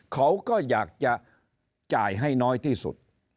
เขาก็อยากจะจ่ายให้น้อยที่สุด